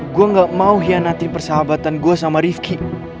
gue gak mau hianati persahabatan gue sama rifki